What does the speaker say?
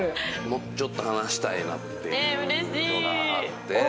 もうちょっと話したいなっていうのがあって。